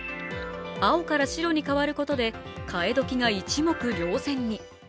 青から白に変わることで変え時が一目瞭然に。